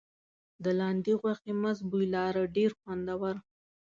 د لاندي غوښې مست بوی لاره ډېر خوندور.